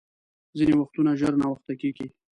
ځیني وختونه ژر ناوخته کېږي .